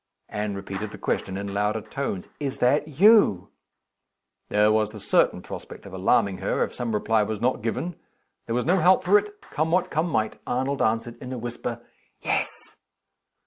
Anne repeated the question in louder tones: "Is that you?" There was the certain prospect of alarming her, if some reply was not given. There was no help for it. Come what come might, Arnold answered, in a whisper: "Yes."